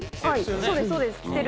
そうです、そうです、キセル。